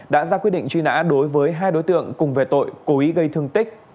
đã ra quyết định truy nã đối với hai đối tượng cùng về tội cố ý gây thương tích